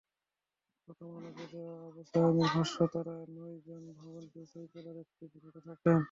প্রথম আলোকে দেওয়া আবু সায়েমের ভাষ্য, তাঁরা নয়জন ভবনটির ছয়তলার একটি ফ্ল্যাটে থাকেন।